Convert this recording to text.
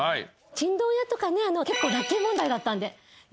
チンドン屋とかね結構ラッキー問題だったんで。